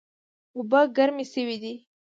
اوبه ګرمې شوې دي